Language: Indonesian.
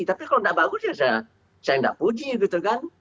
tapi kalau nggak bagus ya saya nggak puji gitu kan